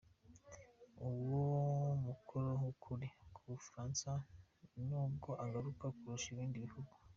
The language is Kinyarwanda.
Uwo mukoro w’ukuri ku Bufaransa nibwo ugaruka kurusha ibindi bihugu.